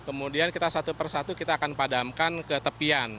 kemudian kita satu persatu kita akan padamkan ke tepian